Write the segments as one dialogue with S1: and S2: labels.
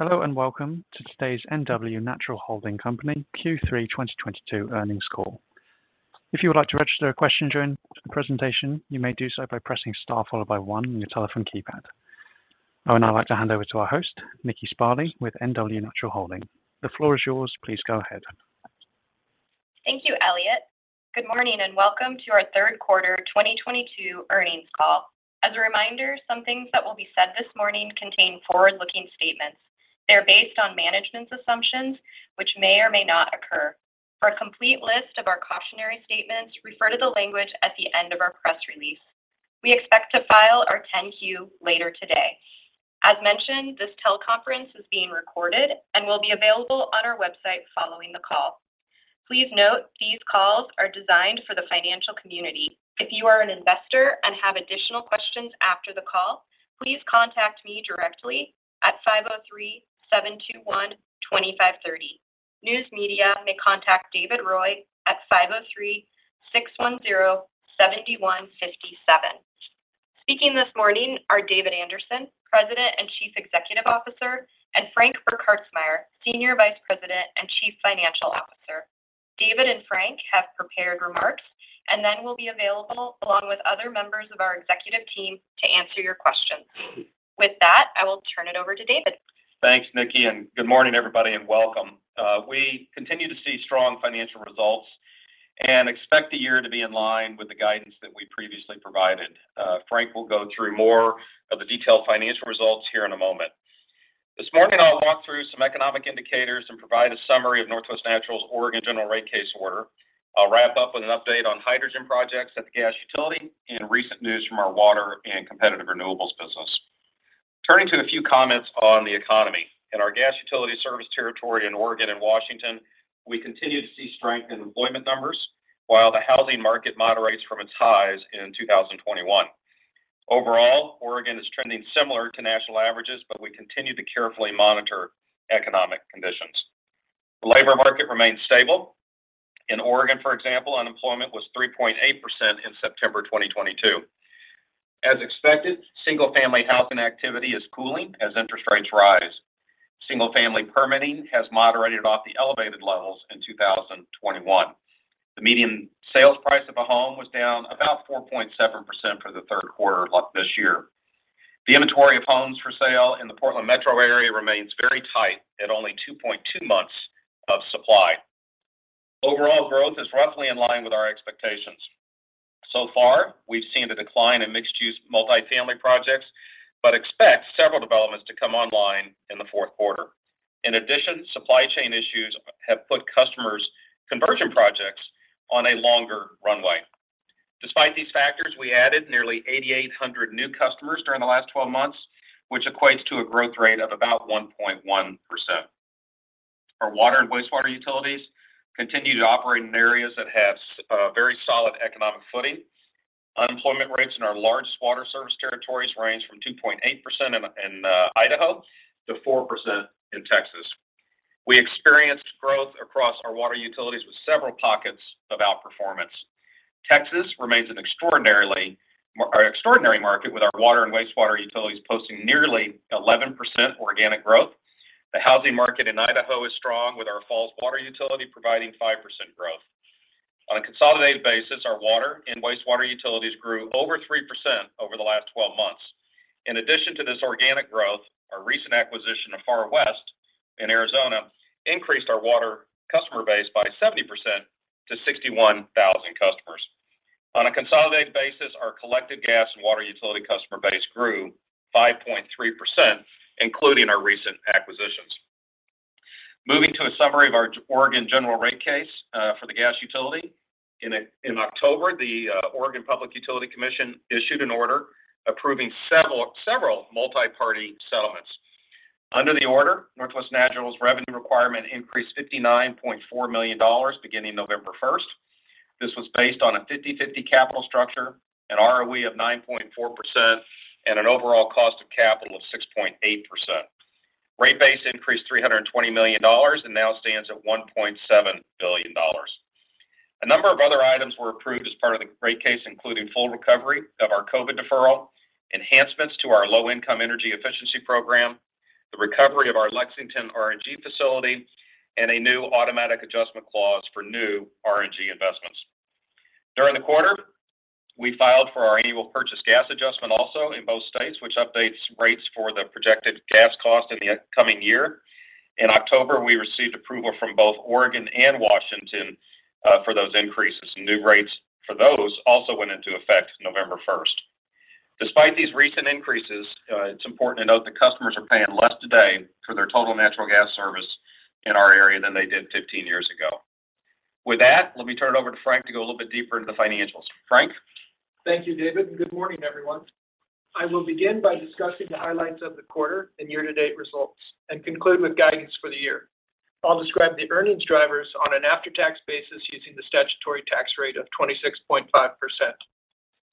S1: Hello and welcome to today's Northwest Natural Holding Company Q3 2022 earnings call. If you would like to register a question during the presentation, you may do so by pressing star followed by one on your telephone keypad. I would now like to hand over to our host, Nikki Sparley with Northwest Natural Holding Company. The floor is yours. Please go ahead.
S2: Thank you, Elliot. Good morning and welcome to our third quarter 2022 earnings call. As a reminder, some things that will be said this morning contain forward-looking statements. They're based on management's assumptions which may or may not occur. For a complete list of our cautionary statements, refer to the language at the end of our press release. We expect to file our 10-Q later today. As mentioned, this teleconference is being recorded and will be available on our website following the call. Please note these calls are designed for the financial community. If you are an investor and have additional questions after the call, please contact me directly at 503-721-2530. News media may contact David Roy at 503-610-7157. Speaking this morning are David Anderson, President and Chief Executive Officer, and Frank Burkhartsmeyer, Senior Vice President and Chief Financial Officer. David and Frank have prepared remarks and then will be available along with other members of our executive team to answer your questions. With that, I will turn it over to David.
S3: Thanks, Nikki, and good morning, everybody, and welcome. We continue to see strong financial results and expect the year to be in line with the guidance that we previously provided. Frank will go through more of the detailed financial results here in a moment. This morning, I'll walk through some economic indicators and provide a summary of Northwest Natural's Oregon General Rate Case order. I'll wrap up with an update on hydrogen projects at the gas utility and recent news from our water and competitive renewables business. Turning to a few comments on the economy. In our gas utility service territory in Oregon and Washington, we continue to see strength in employment numbers while the housing market moderates from its highs in 2021. Overall, Oregon is trending similar to national averages, but we continue to carefully monitor economic conditions. The labor market remains stable. In Oregon, for example, unemployment was 3.8% in September 2022. As expected, single-family housing activity is cooling as interest rates rise. Single-family permitting has moderated off the elevated levels in 2021. The median sales price of a home was down about 4.7% for the third quarter of this year. The inventory of homes for sale in the Portland metro area remains very tight at only 2.2 months of supply. Overall growth is roughly in line with our expectations. So far, we've seen the decline in mixed-use multifamily projects, but expect several developments to come online in the fourth quarter. In addition, supply chain issues have put customers' conversion projects on a longer runway. Despite these factors, we added nearly 8,800 new customers during the last 12 months, which equates to a growth rate of about 1.1%. Our water and wastewater utilities continue to operate in areas that have a very solid economic footing. Unemployment rates in our largest water service territories range from 2.8% in Idaho to 4% in Texas. We experienced growth across our water utilities with several pockets of outperformance. Texas remains an extraordinary market with our water and wastewater utilities posting nearly 11% organic growth. The housing market in Idaho is strong with our Falls Water utility providing 5% growth. On a consolidated basis, our water and wastewater utilities grew over 3% over the last 12 months. In addition to this organic growth, our recent acquisition of Far West in Arizona increased our water customer base by 70% to 61,000 customers. On a consolidated basis, our collective gas and water utility customer base grew 5.3%, including our recent acquisitions. Moving to a summary of our Oregon general rate case for the gas utility. In October, the Oregon Public Utility Commission issued an order approving several multi-party settlements. Under the order, Northwest Natural's revenue requirement increased $59.4 million beginning November first. This was based on a 50/50 capital structure, an ROE of 9.4%, and an overall cost of capital of 6.8%. Rate base increased $320 million and now stands at $1.7 billion. A number of other items were approved as part of the rate case, including full recovery of our COVID deferral, enhancements to our low-income energy efficiency program, the recovery of our Lexington RNG facility, and a new automatic adjustment clause for new RNG investments. During the quarter, we filed for our annual purchase gas adjustment also in both states, which updates rates for the projected gas cost in the upcoming year. In October, we received approval from both Oregon and Washington for those increases. New rates for those also went into effect November 1. Despite these recent increases, it's important to note that customers are paying less today for their total natural gas service in our area than they did 15 years ago. With that, let me turn it over to Frank to go a little bit deeper into the financials. Frank?
S4: Thank you, David, and good morning, everyone. I will begin by discussing the highlights of the quarter and year-to-date results and conclude with guidance for the year. I'll describe the earnings drivers on an after-tax basis using the statutory tax rate of 26.5%.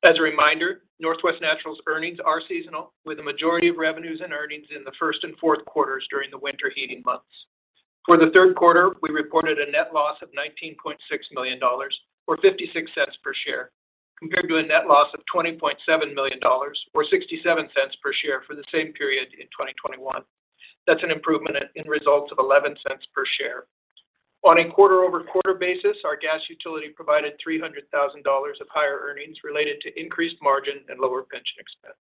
S4: As a reminder, Northwest Natural's earnings are seasonal, with the majority of revenues and earnings in the first and fourth quarters during the winter heating months. For the third quarter, we reported a net loss of $19.6 million or $0.56 per share, compared to a net loss of $20.7 million or $0.67 per share for the same period in 2021. That's an improvement in results of 11 cents per share. On a quarter-over-quarter basis, our gas utility provided $300,000 of higher earnings related to increased margin and lower pension expense.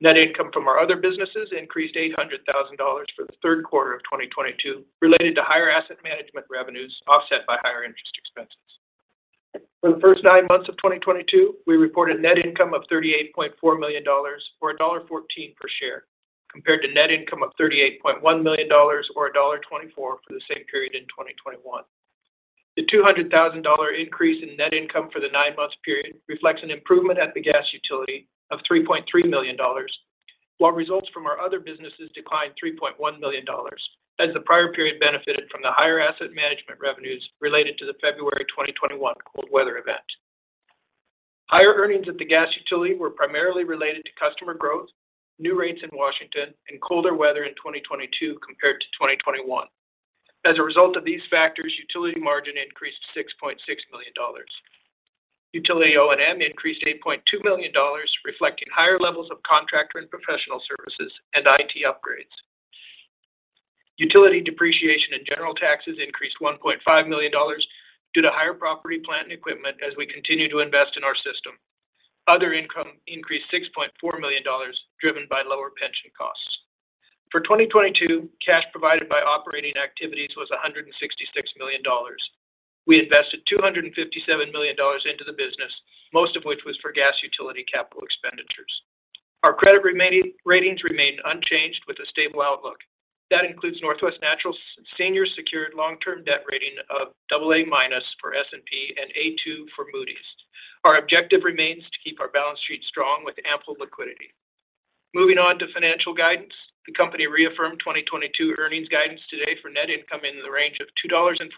S4: Net income from our other businesses increased $800,000 for the third quarter of 2022 related to higher asset management revenues offset by higher interest expenses. For the first nine months of 2022, we reported net income of $38.4 million, or $1.14 per share, compared to net income of $38.1 million or $1.24 for the same period in 2021. The $200,000 increase in net income for the nine-month period reflects an improvement at the gas utility of $3.3 million, while results from our other businesses declined $3.1 million as the prior period benefited from the higher asset management revenues related to the February 2021 cold weather event. Higher earnings at the gas utility were primarily related to customer growth, new rates in Washington, and colder weather in 2022 compared to 2021. As a result of these factors, utility margin increased $6.6 million. Utility O&M increased $8.2 million, reflecting higher levels of contractor and professional services and IT upgrades. Utility depreciation and general taxes increased $1.5 million due to higher property, plant, and equipment as we continue to invest in our system. Other income increased $6.4 million, driven by lower pension costs. For 2022, cash provided by operating activities was $166 million. We invested $257 million into the business, most of which was for gas utility capital expenditures. Our credit ratings remained unchanged with a stable outlook. That includes Northwest Natural's senior secured long-term debt rating of AA- for S&P and A2 for Moody's. Our objective remains to keep our balance sheet strong with ample liquidity. Moving on to financial guidance. The company reaffirmed 2022 earnings guidance today for net income in the range of $2.45-$2.65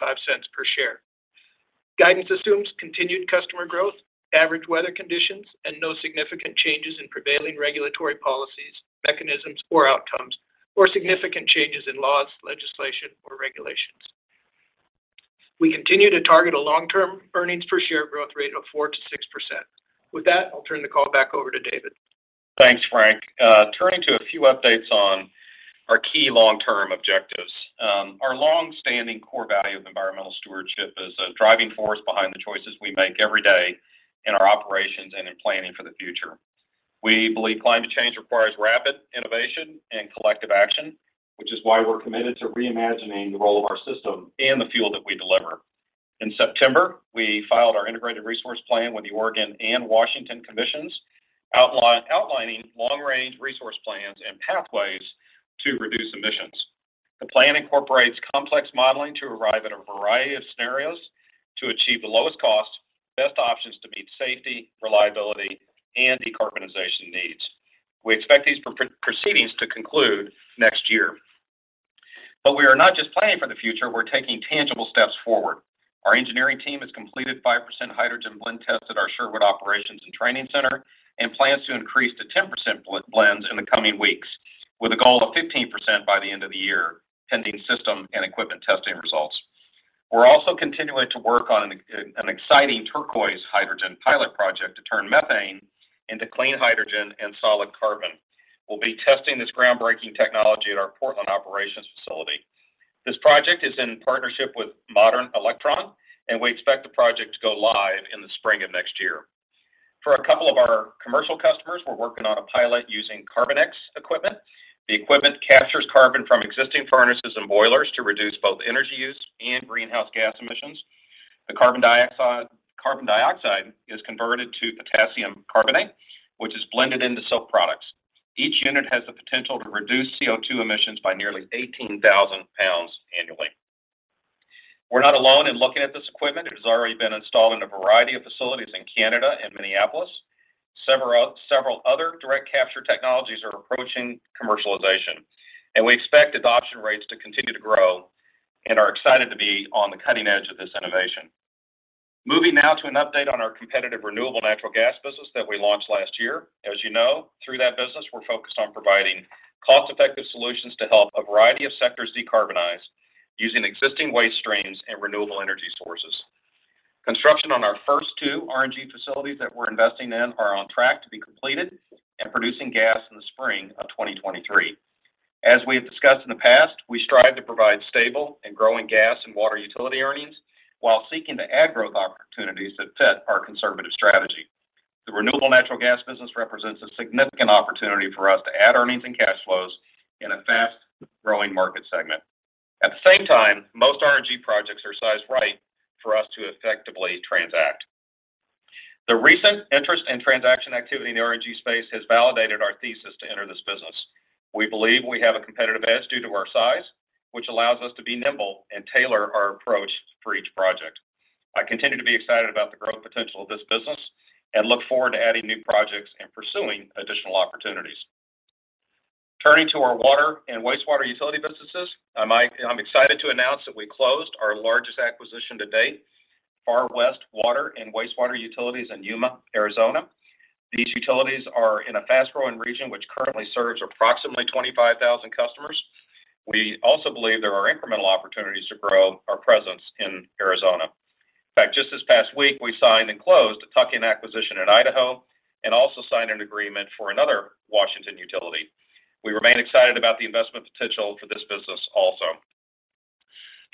S4: per share. Guidance assumes continued customer growth, average weather conditions, and no significant changes in prevailing regulatory policies, mechanisms or outcomes, or significant changes in laws, legislation, or regulations. We continue to target a long-term earnings per share growth rate of 4%-6%. With that, I'll turn the call back over to David.
S3: Thanks, Frank. Turning to a few updates on our key long-term objectives. Our long-standing core value of environmental stewardship is a driving force behind the choices we make every day in our operations and in planning for the future. We believe climate change requires rapid innovation and collective action, which is why we're committed to reimagining the role of our system and the fuel that we deliver. In September, we filed our integrated resource plan with the Oregon and Washington Commissions, outlining long-range resource plans and pathways to reduce emissions. The plan incorporates complex modeling to arrive at a variety of scenarios to achieve the lowest cost, best options to meet safety, reliability, and decarbonization needs. We expect these proceedings to conclude next year. We are not just planning for the future, we're taking tangible steps forward. Our engineering team has completed 5% hydrogen blend tests at our Sherwood Operations and Training Center, and plans to increase to 10% blends in the coming weeks, with a goal of 15% by the end of the year, pending system and equipment testing results. We're also continuing to work on an exciting turquoise hydrogen pilot project to turn methane into clean hydrogen and solid carbon. We'll be testing this groundbreaking technology at our Portland operations facility. This project is in partnership with Modern Electron, and we expect the project to go live in the spring of next year. For a couple of our commercial customers, we're working on a pilot using CarbinX equipment. The equipment captures carbon from existing furnaces and boilers to reduce both energy use and greenhouse gas emissions. The carbon dioxide is converted to potassium carbonate, which is blended into soap products. Each unit has the potential to reduce CO2 emissions by nearly 18,000 pounds annually. We're not alone in looking at this equipment. It has already been installed in a variety of facilities in Canada and Minneapolis. Several other direct capture technologies are approaching commercialization, and we expect adoption rates to continue to grow and are excited to be on the cutting edge of this innovation. Moving now to an update on our competitive renewable natural gas business that we launched last year. As you know, through that business, we're focused on providing cost-effective solutions to help a variety of sectors decarbonize using existing waste streams and renewable energy sources. Construction on our first two RNG facilities that we're investing in are on track to be completed and producing gas in the spring of 2023. As we have discussed in the past, we strive to provide stable and growing gas and water utility earnings while seeking to add growth opportunities that fit our conservative strategy. The renewable natural gas business represents a significant opportunity for us to add earnings and cash flows in a fast-growing market segment. At the same time, most RNG projects are sized right for us to effectively transact. The recent interest and transaction activity in the RNG space has validated our thesis to enter this business. We believe we have a competitive edge due to our size, which allows us to be nimble and tailor our approach for each project. I continue to be excited about the growth potential of this business and look forward to adding new projects and pursuing additional opportunities. Turning to our water and wastewater utility businesses. To announce that we closed our largest acquisition to date, Far West Water & Sewer, Inc. in Yuma, Arizona. These utilities are in a fast-growing region which currently serves approximately 25,000 customers. We also believe there are incremental opportunities to grow our presence in Arizona. In fact, just this past week, we signed and closed a tuck-in acquisition in Idaho and also signed an agreement for another Washington utility. We remain excited about the investment potential for this business also.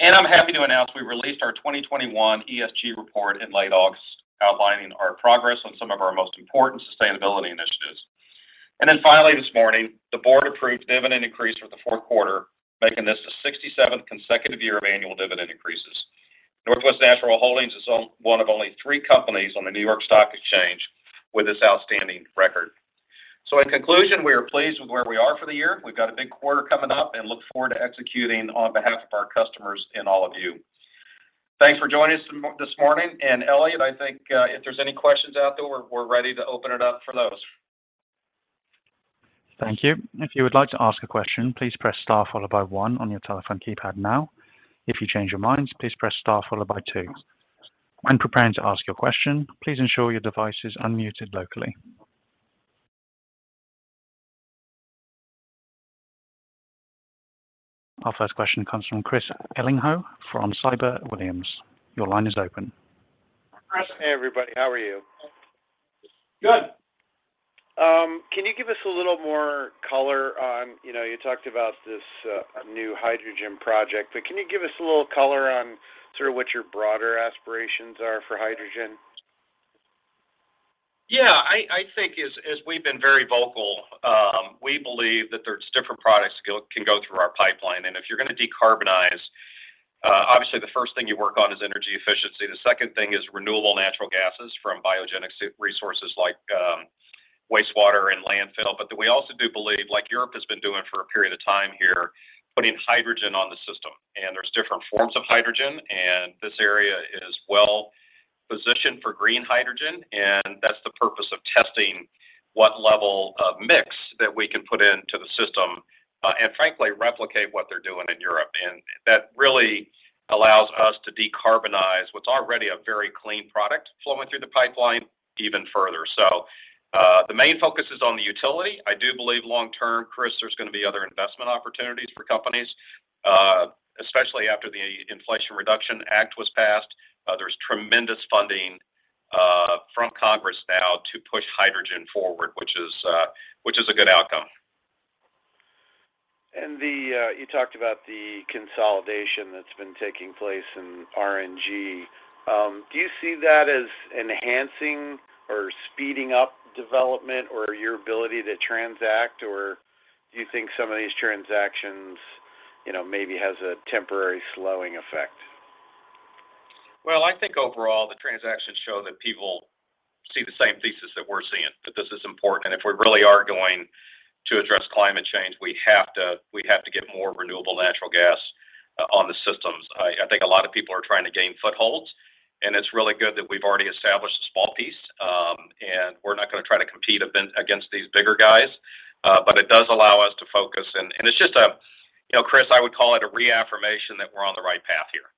S3: I'm happy to announce we released our 2021 ESG report in late August, outlining our progress on some of our most important sustainability initiatives. Finally this morning, the board approved dividend increase for the fourth quarter, making this the 67th consecutive year of annual dividend increases. Northwest Natural Holding Company is one of only 3 companies on the New York Stock Exchange with this outstanding record. In conclusion, we are pleased with where we are for the year. We've got a big quarter coming up and look forward to executing on behalf of our customers and all of you. Thanks for joining us this morning. Elliot, I think, if there's any questions out there, we're ready to open it up for those.
S1: Thank you. If you would like to ask a question, please press star followed by one on your telephone keypad now. If you change your mind, please press star followed by two. When preparing to ask your question, please ensure your device is unmuted locally. Our first question comes from Chris Ellinghaus from Siebert Williams Shank. Your line is open.
S5: Chris. Hey, everybody. How are you?
S3: Good.
S5: Can you give us a little more color on, you know, you talked about this new hydrogen project, but can you give us a little more color on sort of what your broader aspirations are for hydrogen?
S3: Yeah, I think as we've been very vocal, we believe that there's different products can go through our pipeline. If you're gonna decarbonize, obviously the first thing you work on is energy efficiency. The second thing is renewable natural gases from biogenic resources like wastewater and landfill. We also do believe, like Europe has been doing for a period of time here, putting hydrogen on the system. There's different forms of hydrogen, and this area is well-positioned for green hydrogen, and that's the purpose of testing what level of mix that we can put into the system, and frankly, replicate what they're doing in Europe. That really allows us to decarbonize what's already a very clean product flowing through the pipeline even further. The main focus is on the utility. I do believe long term, Chris, there's gonna be other investment opportunities for companies, especially after the Inflation Reduction Act was passed. There's tremendous funding from Congress now to push hydrogen forward, which is a good outcome.
S5: You talked about the consolidation that's been taking place in RNG. Do you see that as enhancing or speeding up development or your ability to transact? Or do you think some of these transactions, you know, maybe has a temporary slowing effect?
S3: Well, I think overall, the transactions show that people see the same thesis that we're seeing, that this is important. If we really are going to address climate change, we have to get more renewable natural gas on the systems. I think a lot of people are trying to gain footholds, and it's really good that we've already established a small piece. We're not gonna try to compete against these bigger guys. It does allow us to focus. It's just a, you know, Chris, I would call it a reaffirmation that we're on the right path here.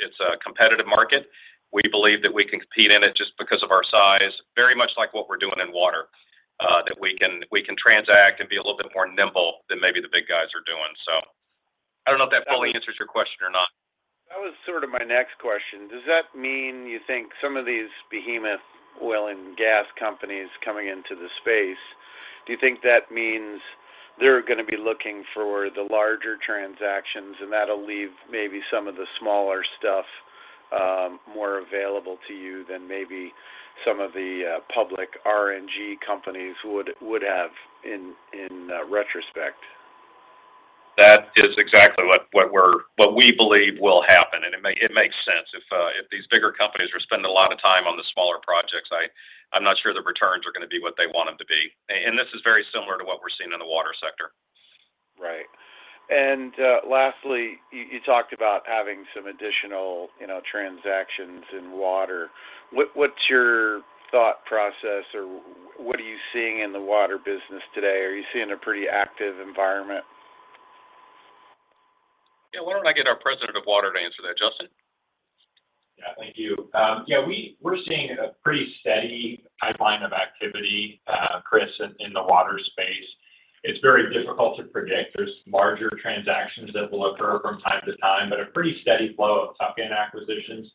S3: It's a competitive market. We believe that we compete in it just because of our size, very much like what we're doing in water, that we can transact and be a little bit more nimble than maybe the big guys are doing. I don't know if that fully answers your question or not.
S5: That was sort of my next question. Does that mean you think some of these behemoth oil and gas companies coming into the space, do you think that means they're gonna be looking for the larger transactions, and that'll leave maybe some of the smaller stuff, more available to you than maybe some of the public RNG companies would have in retrospect?
S3: That is exactly what we believe will happen, and it makes sense. If these bigger companies are spending a lot of time on the smaller projects, I'm not sure the returns are gonna be what they want them to be. This is very similar to what we're seeing in the water sector.
S5: Right. Lastly, you talked about having some additional, you know, transactions in water. What’s your thought process or what are you seeing in the water business today? Are you seeing a pretty active environment?
S3: Yeah. Why don't I get our President of Water to answer that? Justin?
S6: Yeah. Thank you. Yeah, we're seeing a pretty steady pipeline of activity, Chris, in the water space. It's very difficult to predict. There's larger transactions that will occur from time to time, but a pretty steady flow of tuck-in acquisitions.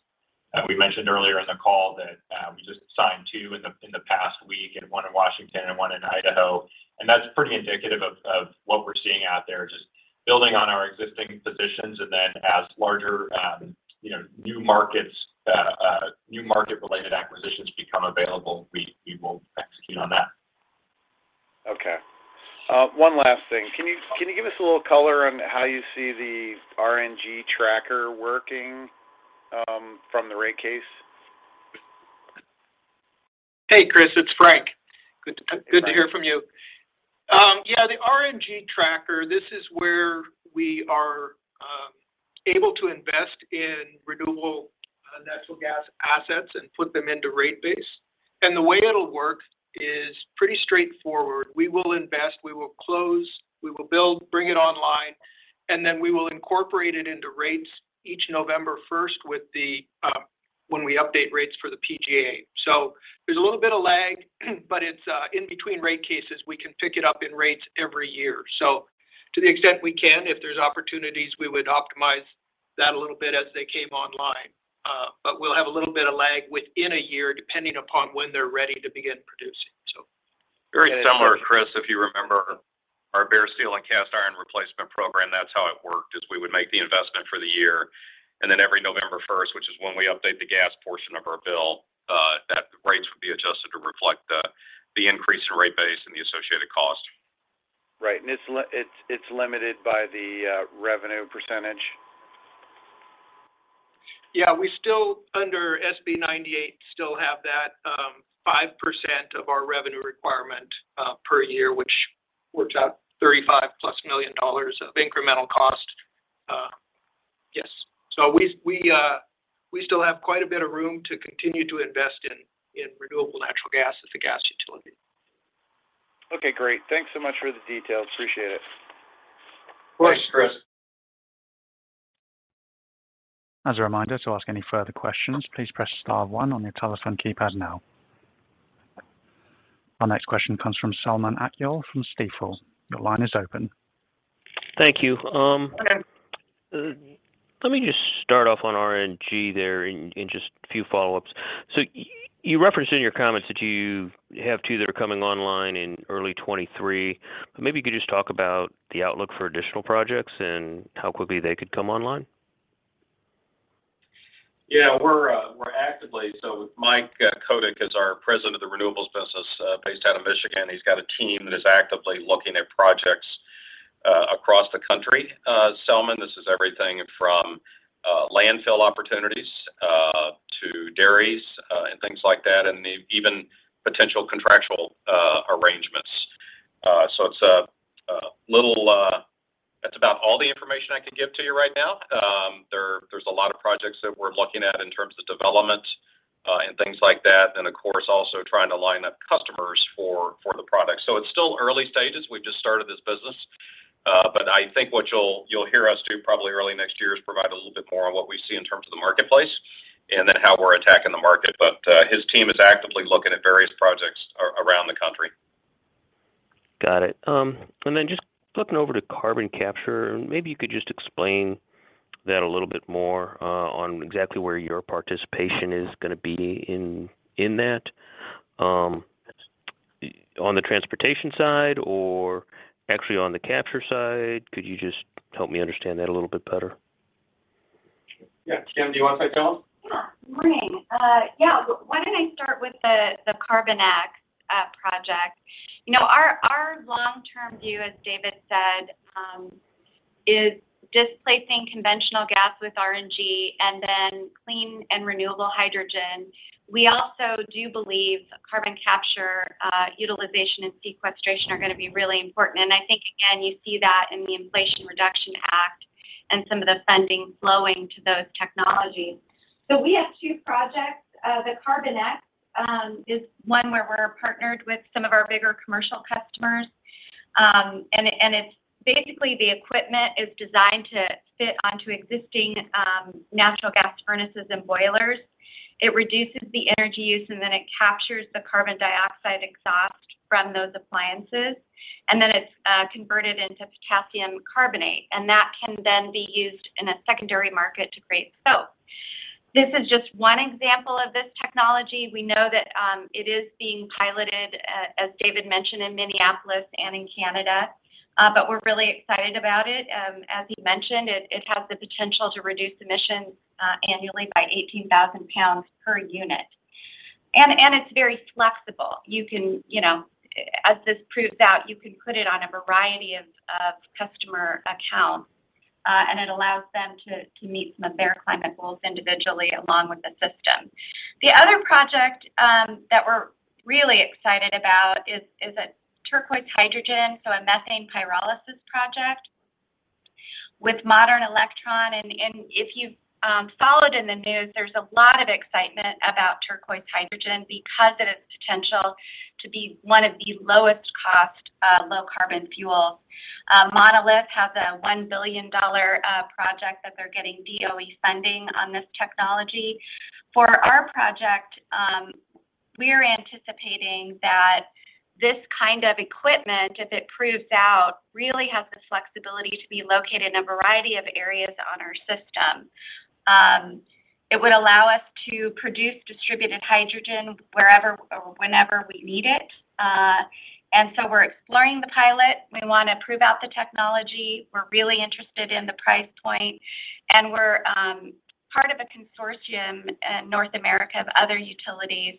S6: We mentioned earlier in the call that we just signed two in the past week, and one in Washington and one in Idaho. That's pretty indicative of what we're seeing out there, just building on our existing positions. As larger, you know, new markets, new market-related acquisitions become available, we will execute on that.
S5: Okay. One last thing. Can you give us a little color on how you see the RNG tracker working from the rate case?
S4: Hey, Chris. It's Frank. Good to hear from you. Yeah, the RNG tracker, this is where we are able to invest in renewable- Natural gas assets and put them into rate base. The way it'll work is pretty straightforward. We will invest, we will close, we will build, bring it online, and then we will incorporate it into rates each November first with the, when we update rates for the PGA. There's a little bit of lag, but it's in between rate cases, we can pick it up in rates every year. To the extent we can, if there's opportunities, we would optimize that a little bit as they came online. But we'll have a little bit of lag within a year depending upon when they're ready to begin producing.
S3: Very similar, Chris, if you remember our bare steel and cast iron replacement program, that's how it worked, is we would make the investment for the year, and then every November first, which is when we update the gas portion of our bill, that rates would be adjusted to reflect the increase in rate base and the associated cost.
S5: Right. It's limited by the revenue percentage.
S4: We still under SB 98 still have that, 5% of our revenue requirement, per year, which works out $35+ million of incremental cost. Yes. We still have quite a bit of room to continue to invest in renewable natural gas as a gas utility.
S5: Okay, great. Thanks so much for the details. Appreciate it.
S4: Of course.
S3: Thanks, Chris.
S1: As a reminder to ask any further questions, please press star one on your telephone keypad now. Our next question comes from Selman Akyol from Stifel. Your line is open.
S7: Thank you.
S3: Okay.
S7: Let me just start off on RNG there in just a few follow-ups. You referenced in your comments that you have two that are coming online in early 2023. Maybe you could just talk about the outlook for additional projects and how quickly they could come online.
S3: Yeah. We're actively. Mike Kotyk is our president of the renewables business, based out of Michigan. He's got a team that is actively looking at projects across the country. Selman, this is everything from landfill opportunities to dairies and things like that, and even potential contractual arrangements. It's a little. That's about all the information I can give to you right now. There's a lot of projects that we're looking at in terms of development and things like that, and of course, also trying to line up customers for the product. It's still early stages. We've just started this business. I think what you'll hear us do probably early next year is provide a little bit more on what we see in terms of the marketplace and then how we're attacking the market. His team is actively looking at various projects around the country.
S7: Got it. Just flipping over to carbon capture, maybe you could just explain that a little bit more, on exactly where your participation is gonna be in that. On the transportation side or actually on the capture side? Could you just help me understand that a little bit better?
S3: Yeah. Kim, do you wanna take that one?
S8: Yeah. Morning. Yeah. Why don't I start with the CarbinX project? You know, our long-term view, as David said, is displacing conventional gas with RNG and then clean and renewable hydrogen. We also do believe carbon capture, utilization and sequestration are gonna be really important. I think, again, you see that in the Inflation Reduction Act and some of the funding flowing to those technologies. We have two projects. The CarbinX is one where we're partnered with some of our bigger commercial customers. And it's basically the equipment is designed to fit onto existing natural gas furnaces and boilers. It reduces the energy use, and then it captures the carbon dioxide exhaust from those appliances, and then it's converted into potassium carbonate, and that can then be used in a secondary market to create soap.
S4: This is just one example of this technology. We know that it is being piloted, as David mentioned in Minneapolis and in Canada, but we're really excited about it. As he mentioned, it has the potential to reduce emissions annually by 18,000 pounds per unit. It's very flexible. You can, you know, as this proves out, you can put it on a variety of customer accounts, and it allows them to meet some of their climate goals individually along with the system. The other project that we're really excited about is a turquoise hydrogen, so a methane pyrolysis project with Modern Electron. If you've followed in the news, there's a lot of excitement about turquoise hydrogen because of its potential to be one of the lowest cost low carbon fuels. Monolith has a $1 billion project that they're getting DOE funding on this technology. For our project, we are anticipating that this kind of equipment, if it proves out, really has the flexibility to be located in a variety of areas on our system. It would allow us to produce distributed hydrogen wherever or whenever we need it. We're exploring the pilot. We wanna prove out the technology. We're really interested in the price point, and we're part of a consortium in North America of other utilities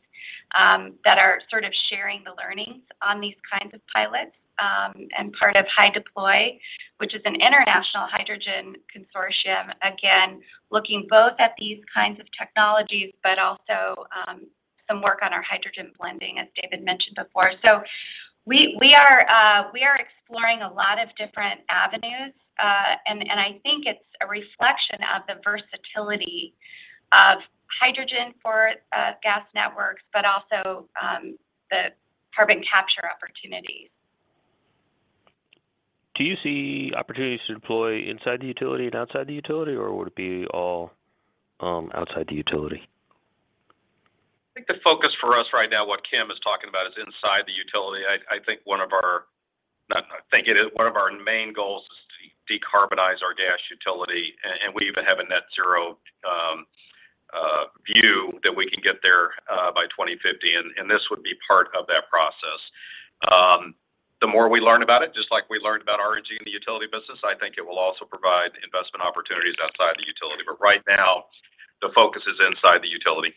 S4: that are sort of sharing the learnings on these kinds of pilots, and part of HyDeploy, which is an international hydrogen consortium, again, looking both at these kinds of technologies, but also some work on our hydrogen blending, as David mentioned before. We are exploring a lot of different avenues, and I think it's a reflection of the versatility of hydrogen for gas networks, but also the carbon capture opportunities.
S7: Do you see opportunities to deploy inside the utility and outside the utility, or would it be all, outside the utility?
S3: I think the focus for us right now, what Kim is talking about is inside the utility. I think one of our main goals is to decarbonize our gas utility, and we even have a net zero view that we can get there by 2050, and this would be part of that process. The more we learn about it, just like we learned about RNG in the utility business, I think it will also provide investment opportunities outside the utility. Right now, the focus is inside the utility.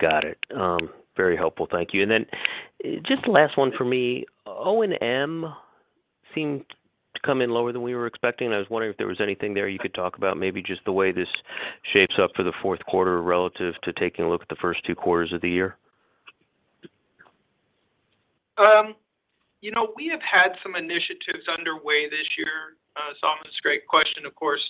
S7: Got it. Very helpful. Thank you. Just last one for me. O&M seemed to come in lower than we were expecting. I was wondering if there was anything there you could talk about, maybe just the way this shapes up for the fourth quarter relative to taking a look at the first two quarters of the year.
S4: You know, we have had some initiatives underway this year. Selman, it's a great question, of course.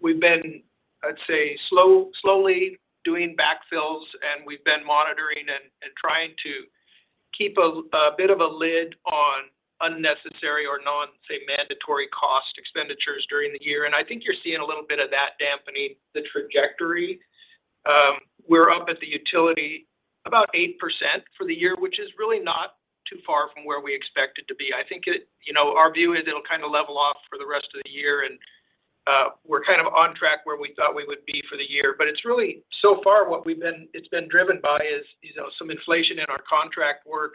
S4: We've been, I'd say, slowly doing backfills, and we've been monitoring and trying to keep a bit of a lid on unnecessary or non, say, mandatory cost expenditures during the year. I think you're seeing a little bit of that dampening the trajectory. We're up at the utility about 8% for the year, which is really not too far from where we expect it to be. I think, you know, our view is it'll kind of level off for the rest of the year and we're kind of on track where we thought we would be for the year. It's been driven by is, you know, some inflation in our contract work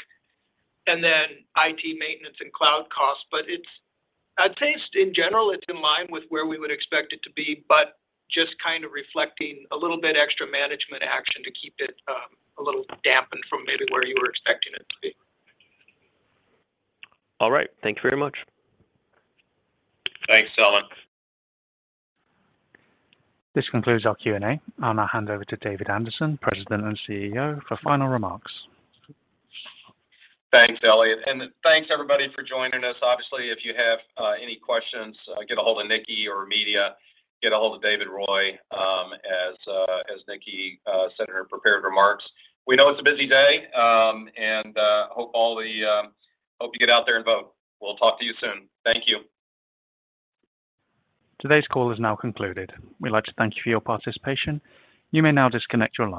S4: and then IT maintenance and cloud costs. I'd say it's, in general, it's in line with where we would expect it to be, but just kind of reflecting a little bit extra management action to keep it a little dampened from maybe where you were expecting it to be.
S7: All right. Thank you very much.
S3: Thanks, Selman.
S1: This concludes our Q&A. I'll now hand over to David Anderson, President and CEO, for final remarks.
S3: Thanks, Elliot. Thanks everybody for joining us. Obviously, if you have any questions, get a hold of Nikki or media, get a hold of David Roy, as Nikki said in her prepared remarks. We know it's a busy day, and hope you get out there and vote. We'll talk to you soon. Thank you.
S1: Today's call is now concluded. We'd like to thank you for your participation. You may now disconnect your line